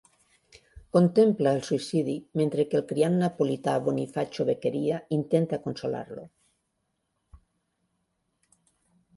Contempla el suïcidi, mentre que el criat napolità, Bonifacio Beccheria, intenta consolar-lo.